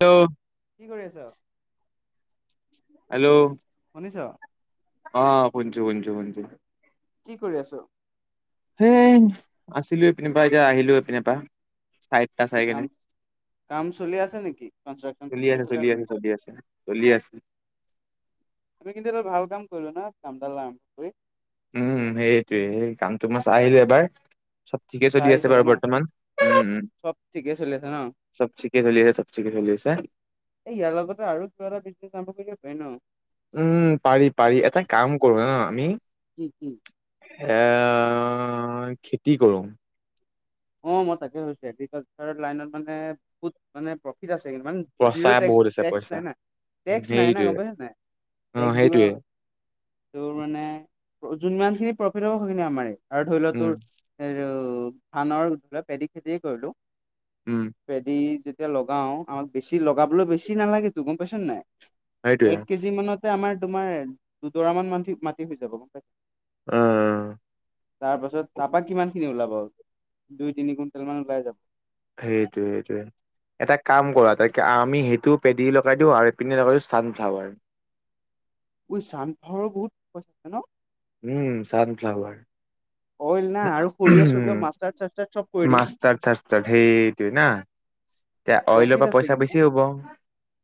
Hello কি কৰি আছ? হেল্লো' শুনিছ? অ শুনিছোঁ শুনিছোঁ শুনিছোঁ। কি কৰি আছ? সেই আছিলো এই পিন পা এতিয়া আহিলো এই পিন পা। চাইড এটা চাই কিনে, কাম কাম চলি আছে নেকি? কনষ্ট্ৰাকচন চলি আছে পিছতে চলি আছে নেকি? চলি আছে। চলি আছে। আমি কিন্তু এটা ভাল কাম কৰিলো ন কাম ডাল আৰম্ভ কৰি উম সেইটোৱে সেই কামটো মই চাই আহিলো এবাৰ চব ঠিকে চলি আছে বাৰু বৰ্তমান উম উ সব ঠিকে চলি আছে ন চব ঠিকে চলি আছে চব ঠিকে চলি আছে এ ইয়াৰ লগতে আৰু কিবা এটা বিজনেছ আৰম্ভ কৰি দিব পাৰি ন উম পাৰি পাৰি এটা কাম কৰো ন আমি কি কি? এ খেতি কৰো অ মই তাকে ভাবিছো এগ্ৰিকালচাৰ লাইনত মানে বহুত মানে প্ৰফিট আছে ইমান জিৰ পইচা টেক্স বহুত আছে টেক্স পইচা নাই না টেক্স নাই না সেইটোৱে গম পাইছা নাই অ টেক্স দিব সেইটোৱে নালাগে তোৰ মানে যোনমান খিনি প্ৰফিট হ'ব সেইখিনি আমাৰে আৰু ধৰি লোৱা উম তোৰ আৰু ধানৰ ধলা পেদি খেতিয়ে কৰিলো উম পেদি যেতিয়া লগাও আমাক বেছি লগাবলৈ বেছি নালাগেতো গম পাইছা নাই সেইটোৱে এক কেজি মানতে আমাৰ তোমাৰ দুডৰা মান মান্তি মাটি হৈ যাব গম পাইছা উ তাৰ পাছত তাৰাপা কিমানখিনি ওলাব দুই তিনি কুইণ্টেল মান ওলাই যাব সেইটোৱে সেইটোৱে এটা কাম কৰা তাইক আমি সেইটো পেদী লগাই দিও আৰু ইপিনে লগাই দিও ছানফ্লাৱাৰ ঐ চানফ্লাৱাৰ বহুত হৈছে ন উম চানফ্লাৱাৰ অইল না আৰু সৰিয়হ চৰিয়হ মাষ্টাৰ্ড চাষ্টাৰ্ড চব কৰি দিম মাষ্টাৰ্ড চাষ্টাৰ্ড সেইটোৱে না এতিয়া অইলৰ প্ৰফিট পৰা আছে পইচা কিন্তু বেছি হ'ব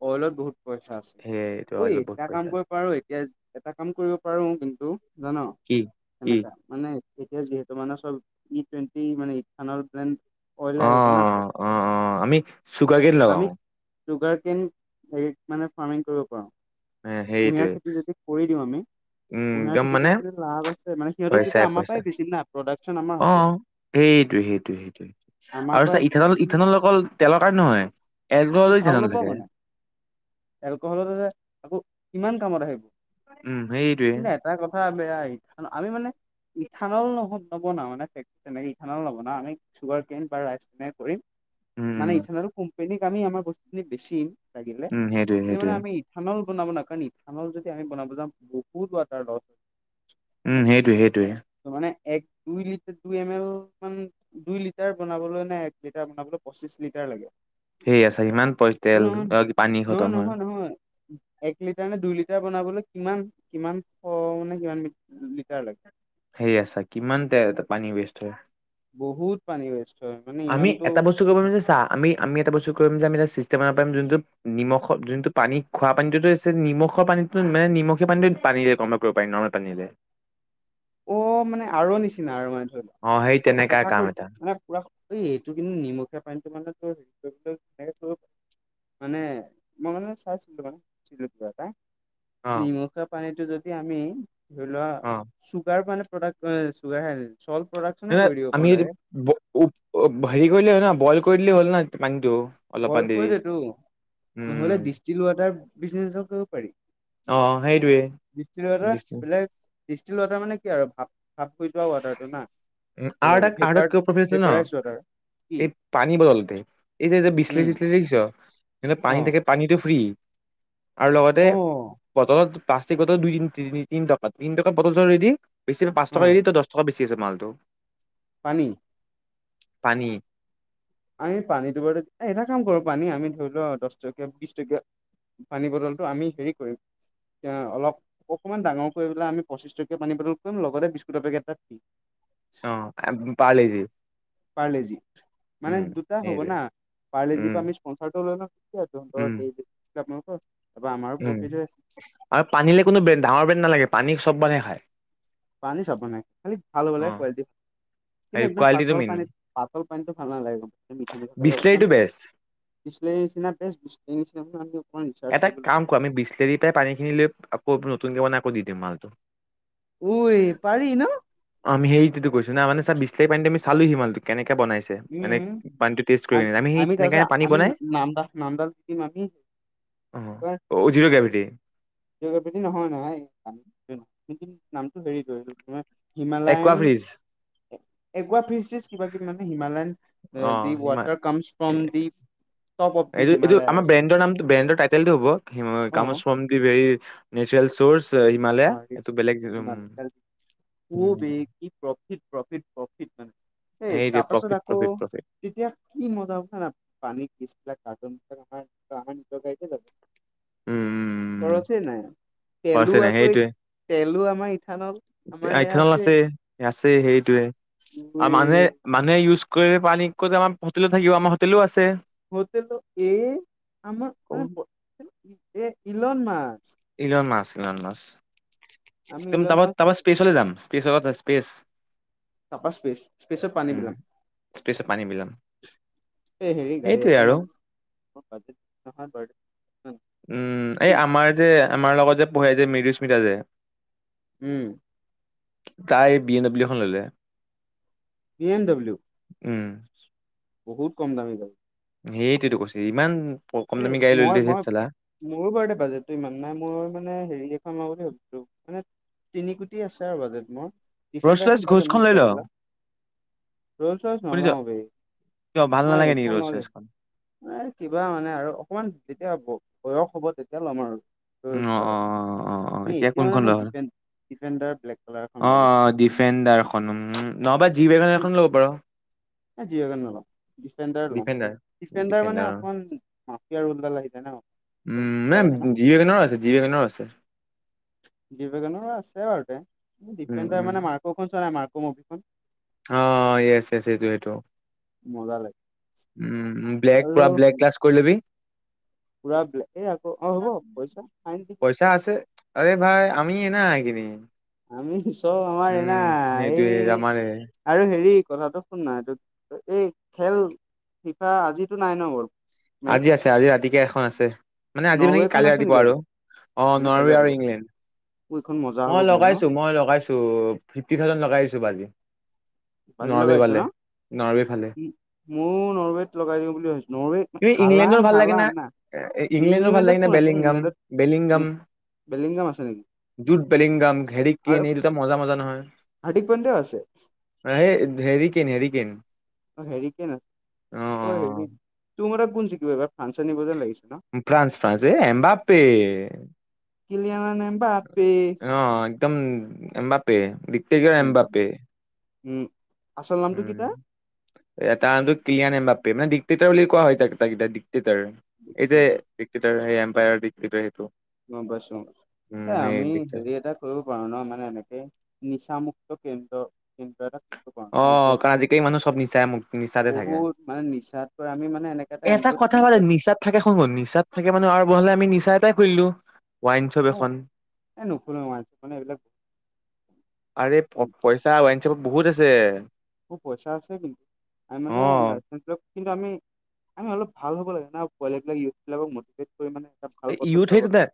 অইলত বহুত পইচা আছে সেইটো ঐ অইলত বহুত এটা পইচা কাম আছে কৰিব পাৰ এতিয়া এটা কাম কৰিব পাৰো কিন্তু জান কি কি কেনেকা মানে এতিয়া যিহেতু মানে চব ই টুৱেণ্টি মানে ইথানৰ টেন অ অইলে আহিব না চব অ অ আমি চুগাৰ কেন লগাও আমি দুগৰাকীন হেৰিত মানে ফাৰ্মিং কৰিব পাৰো সেইটোৱে। কুঁহিয়াৰ খেতি যদি কৰি দিও আমি উম কুঁহিয়াৰ একদম খেতি মানে কৰিবলে যে লাভ আছে মানে সিহঁতক তেতিয়া পইচাই আমাৰ পইচা পৰাই বেছিম না প্ৰডাকশ্যন আমাৰ অ হ'ব সেইটোৱে সেইটোৱে সেইটোৱে আমাৰ আৰু চা পৰাই ইথানল বেচিম ইথানল অকল তেলৰ কাৰণে নহয় এলকহল কি চাউল ইথানল পাও থাকে বনাই এলকহলত আকৌ কিমান কামত আহিব উম সেইটোৱে কিন্তু এটা কথা বেয়া ইথানল আমি মানে ইথানল নহ নবনাও মানে ফে তেনেকে ইথানল নবনাও আমি চুগাৰ কেন বা ৰাইচ তেনে কৰিম উম। মানে ইথানল কোম্পেনী আমি আমাৰ বস্তুখিনি বেছিম লাগিলে উম, সেইটোৱে কিন্তু মানে সেইটোৱে আমি ইথানল বনাব নাই কাৰণ ইথানল যদি আমি বনাব যাওঁ বহুত ৱাটাৰ লছ হব উম সেইটোয়ে সেইটোয়ে মানে এক দুই লিটাৰ দুই এম এল মান দুই লিটাৰ বনাবলৈ নে এক লিটাৰ বনাবলৈ পঁচিশ লিটাৰ লাগে সেই আ চা ইমান পই তেল অ পানী নহয় খতম হয় নহয় নহয় এক লিটাৰ নে দুই লিটাৰ বনাবলৈ কিমান কিমান শ মানে কিমান লিটাৰ লাগে সেই আছা কিমান তে এটা পানী ৱেষ্ট হয় বহুত পানী হৈছে। আমি এটা বস্তু কৰিব লৈছো চা আমি আমি এটা বস্তু কৰিম যে আমি এটা ষ্টেমাৰ পাৰিম যোনটো নিমখৰ যোনটো পানী খোৱা পানীটোতো এক্সলি নিমখৰ পানীতো মানে, নিমখীয়া পানীটো পানী দিয়ে কমে কৰিব পাৰিম নহয় টানি নিলে। অ' মানে আৰৰ নিচিনা আৰু মানে অ', ধৰিলোৱা। সেই তেনেকা চেফা কাম কৰি এটা মানে পুৰা এই এইটো কিন্তু নিমখীয়া পানীটো মানে তোৰ ধুনীয়াকে কৰিব মানে মই মানে চাইছিলোঁ মানে চিলতিয় এটা। অ', নিমখীয়া পানীটো যদি আমি ধৰিলোৱা অ', চুগাৰ কাৰণে প্ৰডাক্ট এ চুগাৰহে আছিল যেনে আমি দিম ব হু অ হেৰি কৰিলে হ'ল ন' বইল কৰিলে হ'ল না পানীটো। অলপমান দেৰি বয়সৰ যে সেইটো নহলে উম, ডিষ্টিল ৱাটাৰ বিজিনেচও কৰিব পাৰি। অ', সেইটোৱে দিষ্টিল উৱাতা বেলেগ। দিষ্টিল উৱাতা মানে কি আৰু ভাপ ভাপ কৰি থোৱা ৱাটাৰটো না? উম, আৰু তোৰ এটা আৰু এটা পেপাৰ কিবা প্ৰফিট আছে ন? পেপাৰাইছ্‌ ৱাটাৰ। কি? এই পানী বতলটো, এতিয়া যে বিচলেৰি উম -চিচলেৰি দেখিছ? এতিয়া অ পানী থাকে। পানীটো ফ্ৰী আৰু লগতে অ বটলত প্লাষ্টিক বটল দুই তিনি তিনিটকাত, তিনটকাত বটলটো ৰেদি। বেছি নহয় পাঁচ অ চবেইটো দহ টকাত বেছি আছে মালটো। পানী? পানী। আমি পানীটো বাৰু এটা কাম কৰক। পানী আমি ধৰি লোৱা দহ টকীয়া বিশ টকীয়া পানী বটলটো আমি হেৰি কৰিম। এ অলপ অকণমান ডাঙৰ কৰিপেলাই আমি পঁচিচটকীয়া পানী বটল কৰিম। লগতে বিস্কুটৰ পেকেট এটা অঁ, এবটো পাৰ্লেজি পাৰলেজি মানে দুটা হ'ব না। পাৰলেজিৰ উম পৰা আমি কনচালটো লৈ লম। কি আছে দৌৰা উম -দৌৰিৰ যাব কত? উম', ঐ পানীলে কোনো ডাঙৰ ব্ৰেণ্ড নালাগে। পানী চব্‌ মানুহে খায়। পানী চাব নাই, খালি ভাল হব অ লাগে কোৱালিটি। কিন্তু হেৰি একদম কোৱালিটিটো পাতল মেইন পানী, পাতল পানীটো ভাল নালাগে একদম। মিঠা-মিঠা লাগে অকণমান বিচলেৰীটো বেষ্ট বিচলেৰী নিচিনা টেষ্ট, বিচলাৰি নিচিনা নাই দিয়ক।। এটা কাম কৰো, আমি বিচলেৰি পৰা পানী খিনি লৈ আকৌ নতুনকৈ বনাই আকৌ দি দিওঁ মালটো ঐ পাৰি ন? অঁ, আমি সেইতোটো কৈছো না, মানে চা বিচলাৰি পানীটো আমি চালোহি মানেটো কেনেকে বনাইছে ছে এনেই উম পানীটো টেষ্ট কৰিকেনে। আমি সেই তেনেকে পানী বনাই নামতাহ--নামদাল শিকিম আমি। অঁহ্, অ' জিৰো গ্ৰেভিটি জিঅ'গ্ৰেভিটি নহয় নহয় কিন্তু নামটো হেৰি কয় এইটো হিমা একোৱা হিমালয়ান ফ্ৰিজ একুৱা ফিছ-চিছ কিবা-কিবি মানে হিমালয়ান অ এ দি সিমান water comes from the top of the এইটো এইটো আমাৰ হিমালয়াজ ব্ৰেণ্ডৰ নামটো, ব্ৰেণ্ডৰ টাইটেলটো হ'ব হিমা অ comes from the very natural চৰ্চ আ হিমালয়া এইটো বেলেগ ওঁ ওঁ ই প্ৰফিট, প্ৰফিট, প্ৰফিট মানে, এই সেইটোৱে তাৰপাছত প্ৰফিট আকৌ প্ৰফিট প্ৰফিট তেতিয়া কি মজা হব [unintelligible] উমম হৈছে নাই, তেলো আ ঐ তেলো আমাৰ ইথানল, আমাৰ এইয়া ইথানল আছেই আছে গোইট মানে মানুহে-মানুহে ইউজ কৰি পানী, কত আমাৰ হোটেলত থাকিব, আমাৰ হোটেলো আছে হোটেলত এই, আমাৰ এই Elon Musk Elon Musk Elon Musk আমি তুম ইলন মাছ তাপা-তাপা স্পেচলৈ যাম, স্পেচৰ স্পেচ তাপা স্পেচ, স্পেচত পানী উম বিলাম স্পেচত পানী বিলাম এই হেৰি গাড়ী এইটোৱে এখন আৰু লম। কিমান? উমঁ কি এই আমাৰ যে, আমাৰ লগত যে পঢ়ে যে মৃদুস্মিতা যে উমঁ! তাই বি এন দব্লিও এখন ললে পি এম ডাব্লউ উমঁ! বহুত কম দামী গাড়ী। সেইটোতো কৈচু ইমান কম এই দামী গাড়ী লৈ মই ললি যে মই চালা মোৰো বাৰু বাজেটটো ইমান নাই, মই মানে হেৰি এখন লওঁ বুলি ভাবিছো, মানে তিনি কোটি আছে আৰু বাজেট মোৰ, ৰলচ ৰলচ ডিফেণ্ডাৰখন পাই যাম ঘোচখন ন? লৈ ল ব্লেক কালাৰ ৰোলচৰ শুনিছ নলও বে, কিয় ভাল মই নালাগে নেকি এইখন ৰলচ লওঁ ৰলচখন এ, কিবা মানে আৰু, অকণমান যেতিয়া বয়স হ'ব তেতিয়া ল'ম আৰু। অ ৰোল অ ৰয়েছ অ অ অ এতিয়া মানে কোনখন মই ডিফেন-ডিফেণ্ডাৰ ব্লেক কালাৰ এখন অঁ অঁ ডিফেণ্ডাৰ খন অন্ন নহবা জি বেগন এখন ল'ব পাৰ এ জি ৱেগণ নলও, ডিফেণ্ডাৰ লম, ডিফেণ্ডাৰ মানে অকন মফিয়া ৰুল ডাল আহি যাই ন? উমঁ! নে মজা লাগে ন জিৱ গেনৰো আছে, জি গেনৰো আছে দিৱেগনৰো আছে বাৰু তে, উম ডিফেণ্ডাৰ উম মানে মাৰ হৌখন চোৱা নাই, মাৰ'ক মভিখন অঁ য়েছ য়েছ, এইটো-এইটো মজা লাগে। উমঁ! ব্লেক আৰু পৰা ব্লেক গ্লাছ কৰি লবি। পুৰা বলেগ এই আকৌ অ হ'ব পইচা ফাইন দিবি তাৰ আছে আৰে ভাই আমি এ না একেদিন। আমি চব আমাৰ না সেইটোয়ে এই আমাৰে আৰু হেৰি কথাটো শুন না এইটো এই খেল শিখা আজিতো নাই ন বল আজি আছে আজি ৰাতিকে এখন আছে মানে আজি মানে কি নৰৱেখন কালি আছে নেকি ৰাতিপুৱা আৰু। আজি অঁ মানে কাইলৈ নোৰৱাৰে আৰু ৰাতিপুৱা ইংলেণ্ড। এইখন মজা হ'ব। মই কিন্তু ন লগাইছো মই লগাইছো ফিফটি থাউজেণ্ড লগাই দিছো বাজি। ভাজি নৰৱে ৱালে নৰৱে ফালে। মোৰ নৰৱেত লগাই দিওঁ বুলি ভাবছো নৰৱেত ই ইংলেণ্ডৰ ভাল লাগে না ইংলেণ্ডৰ ভাল ইংলেণ্ডত লাগে না কোন আছে বেলিংগাম ইংলেণ্ডত বেলিংগাম। বেলিংগাম আছে নেকি যোট বেলিংগাম ঘেৰিটকে এনেই দুটা মজা মজা নহয়। আদিক পইণ্টো আছে অ হেৰিকেন হেৰিকেন অঁ হেৰিকেন অ অ হেৰি তোৰ মতে এনেই কোন জিকিব এইবাৰ। ফ্ৰান্সে নিব যেন লাগিছে ন? ফ্ৰান্স ফ্ৰান্স এ এমবাপে। কিলিয়ান এম্বাপে অঁ একদম এম্বাপে। পে দিক্তিকিউ এমবাপে এম্বাপে। উম আচল নামটো কি তাৰ? এটা ক্লিয়ান এম্বাপে মানে ডটেটাৰ বুলি কোৱা হয় তাক কেইটা ডটেটৰ। এই যে দিক্ৰিৰ সেই এম্পায়াৰ দিক্ৰিৰ সেইটো। গম পাইছুং, উম এ সেই আমি ডিকটেটাৰ হেৰি এটা কৰিব পাৰো ন, মানে এনেকে নিচামুক্ত কেন্দ্ৰ কেন্দ্ৰ এটা খুলিব পাৰো এন জি অঁহ, অ কাৰণ আজিকালি মানুহ চব নিচাই মু নিচাতে থাকে। বহুত মানে নিচাত পৰা আমি মানে এনেকা এন জি এটা অ' কথা খুলিম ভালে যাতে নিচাত থাকে শুনো নিচাত থাকে মানে আৰু বহালাই আমি নিচা এটাই খুুলি দিওঁ। ৱাইনচব এখন। এ নুখুলো মই মানে এইবিলাক আৰে প মোৰ পইচা ৱাইনচাপত বহুত আছে। টো পইচা আছে কিন্তু, আঁ মানে অ লাইচেঞ্চৰ কিন্তু আমি আমি অলপ ভাল হ'ব লাগে ন, পোৱালি বিলাক ইউথ বিলাকক বিশেষকৈ মানে এটা ভাল পথত ইউথ যাব সেইটো না, লাগে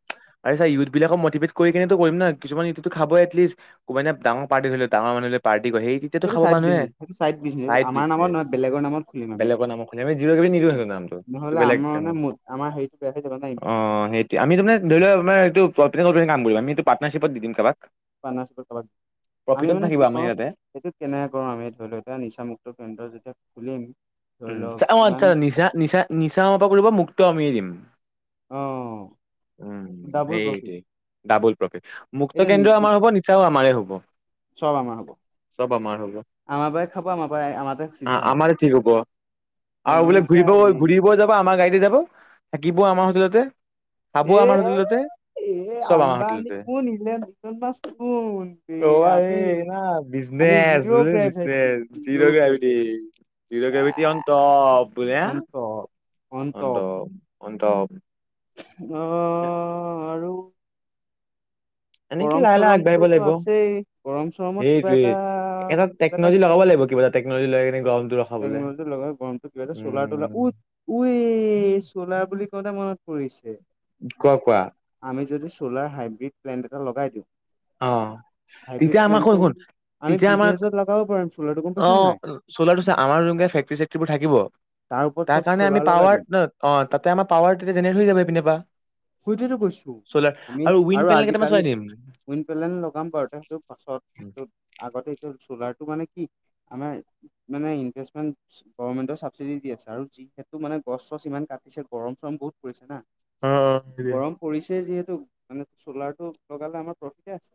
আৰে চা ইউথ বিলাকক মটিভেট কৰি কেনে কৰিম না কিছুমান ইউথ খাব এটলিষ্ট ক'বানে ডাঙৰ পাৰ্তি ধৰিলে, ডাঙৰ মানুহলে পাৰ্টি কৰে সেই এতিয়াতো সেইটো খাব চাইড মানুহে, বিজনেছ সেইটো চাইড বিজনেছ চাইড আমাৰ নামত বিজনেচ নহয় বেলেগৰ নামত খুলিম আমি বেলেগৰ নাম শুনি আমি যিৰ কিবি নিদিয়ে হেনো নামটো। এইটো নহলে আমাৰ মানে আমাৰ হেৰিটো বেয়া হৈ যাব নাই। অঁ সেইটো, আমি তামানে ধৰি লোৱা আমাৰ এইটো প্ৰপে দৰে কাম কৰিম, আমি টো পাৰ্টনাৰশ্বিপত দি দিম কাৰোবাক। পাৰ্টনাৰশ্বিপ কৰবাক, আমি প্ৰফিটত মানে থাকিব কি আমাৰ কৰো ইয়াতে সেটো কেনেকে কৰো আমি ধৰি লও এতিয়া নিচামুক্ত কেন্দ্ৰ যেতিয়া খুলিম। ধৰি উম, লওক কিমান আচ্ছা নিচা নিচা নিচা আমাৰ পৰা কৰিব, মুক্ত আমিয়ে দিম। অঁ উউ সেইটোৱে, ডাবুল প্ৰফিট। মুক্ত এতিয়া নি- কেন্দ্ৰ‌ও আমাৰ হব নিচাও আমাৰে হব। চব আমাৰ হব। চব আমাৰ হ'ব আমাৰ পৰাই খাব আমাৰ পৰাই আমাৰতে আ চিদ্ধা হওক। আমাৰ ঠিক হ'ব আৰু বোলে ঘূৰিব ঘূৰিব যাব আমাৰ গাড়ীতে যাব থাকিবও আমাৰ হোটেলতে। এ খাবও, আমাৰ হোটেলতে। এ চব আমাৰ আম্বাান হোটেলতে কোন ইলেন মাৰ্ক্স কোন দে আমি আমি বিজনেছ জিৰ' বোলে বিজনে gravity zero gravity gravity zero gravity এ অন্ত অন্ত অন্ত অন্ত অঁ এনেকে গৰম লাহে লাহে আগবাঢ়িব চৰমটোতো লাগিব। আছেই গৰম চৰমত কিবা সেইটোৱে, এটা এটা টেকনলজি লগাব লাগিব কিবা এটা টেকনোলজি লৈমিনি গৰমতো টেকনলজিটো লগাই গৰমটো কিবাটা চ'লাৰ তলাৰ উ ওৱ চলাৰ বুলি কওঁতে মনত পৰিছে। কোৱা কোৱা। আমি যদি চলাৰ হাইব্ৰীড প্লেণ্ট এটা লগাই দিওঁ। অ হাইব্ৰীড তেতিয়া আমাৰ শুন প্লেনটো শুন আমি তেতিয়া আমাক বিজনেচত লগাব পাৰিম চোলাৰটো গম অ পাইচা নাই। চ'লাৰটো আমাৰ যেনেকে ফেক্টীৰি চেক্টিবোৰ থাকিব ওপৰত তাৰ চব কাৰণে আমি চ'লাৰ লগাই পাৱাৰ দিম ন অঁ, তাতে আমাৰ পাৱাৰ তেতিয়া যেনেকৈ হৈ যাব পিন্ধিবা। সুইতেতো কৈছো, আমি উইণ্ড আৰু পেনেল কেইটামান আজিকালি চলাই দিম পেলেন লগাম বাৰুতে, সেইটো পাছত আগতে এইটো চ'লাৰটো মানে কি আমাৰ মানে ইনভেষ্টমেণ্ট গভামেন্টৰ চাবচিডি দি আছে আৰু যিহেতু মানে গছ চছ ইমান কাটিছে, গৰম চৰম বহুত কৈছোঁ না অ', অ'। গৰম পৰিছেই যিহেতু মানে চ'লাৰটো লগালে আমাৰ প্ৰফিটে [unintelligible]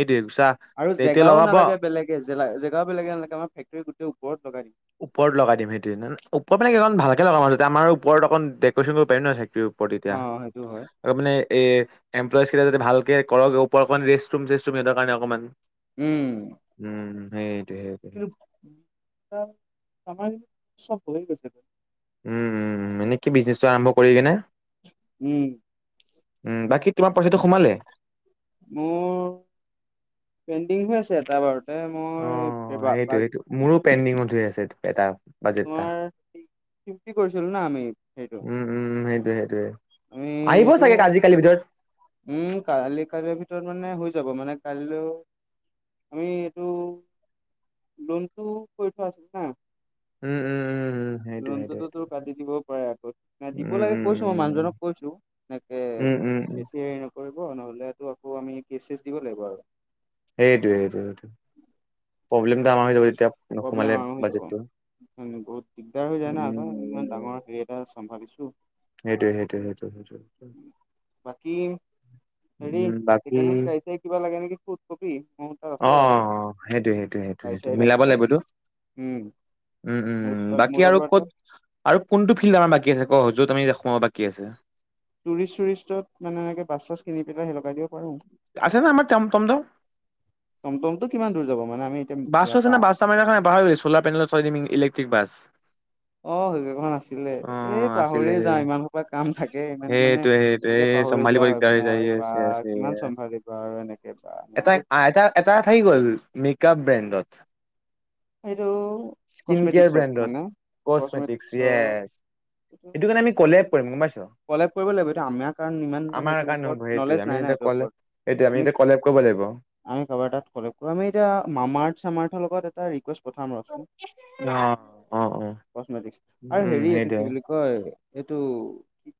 এইটোৱে চা আৰু এতিয়া জেগাও লগাব নালাগে বেলেগ। কে জেলা জেগাবিলাকে নালাগে, আমাৰ ফেকটৰী গোটেই ওপৰত লগাই দিম। ওপৰত লগাই দিম সেইটোই, ওপৰত মানে ভালকে লগাম আৰু তেতিয়া আমাৰ ওপৰত অকণ ডেকৰেচন কৰিব পাৰি ন' [unintelligible] ওপৰত এতিয়া অ সেইটো হয় আৰু মানে এ, এমপ্লয়জকেইটা যদি ভালকে কৰক ওপৰত অকমান ৰেষ্ট ৰুম চেষ্ট ৰুম সিহঁতৰ কাৰণে অকণমান। উম। উম, সেইটোৱে, সেই কিন্তু [unintelligible] আমাৰ চব হৈ গৈছে। উম, উম, এনে কি বিজনেছটো আৰম্ভ কৰি কেনে উম। উম, বাকী তোমাৰ পইচাটো সোমালে? মোৰ পেণ্ডিং হৈ আছে এটা বাৰু অ' সেইটো সেইটো, মোৰো পেণ্ডিঙত হৈ আছে এটা। বাজেটটা। তোমাৰ ফিফটি কৰিছিলো না আমি সেইটো উম, উম, সেইটোয়ে সেইটোয়ে। আমি আহিব এইটো চাগে আজিকালি ভিতৰত। উম, কালি কাইলৈ ভিতৰত মানে হৈ যাব মানে কাইলৈ আমি এইটো লোনটো কৰি থোৱা আছিল না? উম, উম, উম, উম, সেইটো সেইটো লোনটোতো সেইটো, তোৰ কাটি দিব পাৰে উম, উম, উম, উ। কৈছোঁ একে বেছি হেৰি নকৰিব নহ'লেতো আকৌ আমি কেচ টেইছ দিব লাগিব আৰু। সেইটোৱে সেইটো সেইটো, প্ৰব্লেমটো আমাৰ হৈ যাব তেতিয়া প্ৰব্লেম নোসোমালে আৰম্ভ হৈ যাব বাজেটটো। বহুত দিগদাৰ হৈ যায় না উম, আকৌ ইমান ডাঙৰ হেৰি এটা চম্ভাবিছোঁ। সেইটোৱে সেইটোৱে, সেইটো সেইটো। বাকী হেৰি চেকেণ্ড হেণ্ড গাড়ী চাড়ী কিবা লাগে নেকি সুধ কবি, মোৰ তাত আছে বাৰুতে। সেইটোৱে সেইটোৱে, সেইটো সেইটো [unintelligible] মিলাব লাগিবতো। উম উম, মোৰ উম, তাত মোৰ বাকী তাত আৰু বাৰু ক'ত তাত আৰু কোনটো ফিল্ড আমাৰ বাকী আছে ক' য'ত আমি সোমাব বাকী আছে? টুৰিষ্ট চুৰিষ্টত মানে এনেকে বাছ চাছ কিনি পেলাই হে লগাই দিব পাৰোঁ। আছে না আমাৰ তেম টমটম। টমটমটো কিমান দূৰ যাব মানে আমি এতিয়া বাছটো ইয়াৰ আছে পৰা না বাছটো আমাৰ [unintelligible] চলাৰ পেলেনত চলাই দিম ইলেক্ট্ৰিক বাছ। অ' সেইকেইখন আছিলে, এ, অ', আছিলে পাহৰিয়ে সেই যাওঁ ইমান সোপা কাম থাকে ইমান মানে সেইটোৱে সেইটোৱে এনেকে এই পাহৰি চম্ভালিব যোৱা হয় দিগদাৰ হৈ মানে যায় আৰু য়েছ বা য়েছ কিমান য়েছ। চম্ভালিব আৰু এনেকে বা এটা নোৱাৰি দে। এটা এটা থাকি গ'ল মেকআপ ব্ৰেণ্ডত। এইটো স্কিন কেয়াৰ কচমেটিকছত ব্ৰেণ্ডত, মানে কচমেটিক কচমেটিকছত য়েছ। এইটো কাৰণে আমি কলেপ কৰিম গম পাইছ? কলেপ কৰিব লাগিব, এইটো আমাৰ কাৰণ ইমান মানে আমাৰ এইটোৰ কাৰণে ওপৰত হ'ব সেইটোৱে নলেজ আমি নাই না এতিয়া এইটোৰ কলে ওপৰত, সেইটোৱে আমি এতিয়া কলেপ কৰিব লাগিব অ আমি কাৰোবাৰ তাত কলেপ, আমি এতিয়া মামা আৰ্থ, চামা আৰ্থৰ লগত এটা ৰিকুৱেষ্ট পঠাম ৰচোন, অ অ কচমেটিক্স আৰু উম হেৰি এইটো সেইটোৱে কি বুলি কয় এইটো